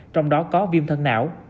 trong đó có viêm thân não